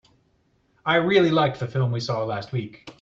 I really liked the film we saw last week.